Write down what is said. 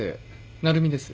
鳴海です。